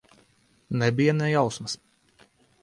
Nebija ne jausmas.